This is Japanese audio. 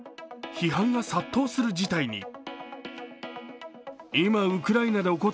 批判が殺到する事態に。